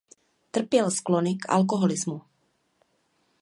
Trpěl sklony k alkoholismu.